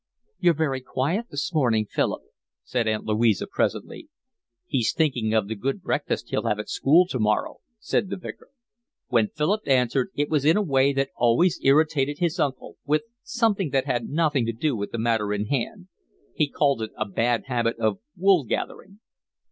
"You're very quiet this morning, Philip," said Aunt Louisa presently. "He's thinking of the good breakfast he'll have at school to morrow," said the Vicar. When Philip answered, it was in a way that always irritated his uncle, with something that had nothing to do with the matter in hand. He called it a bad habit of wool gathering.